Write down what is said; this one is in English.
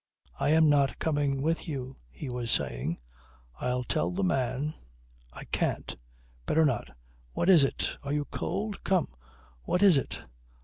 "I am not coming with you," he was saying. "I'll tell the man ... I can't. Better not. What is it? Are you cold? Come! What is it?